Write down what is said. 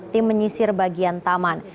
tim menyisir bagian taman